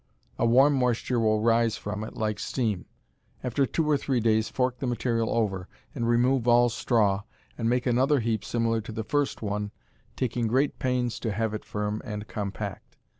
A warm moisture will rise from it like steam. After two or three days fork the material over, and remove all straw, and make another heap similar to the first one, taking great pains to have it firm and compact.